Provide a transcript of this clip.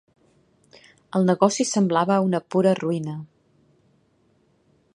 El negoci semblava una pura ruïna.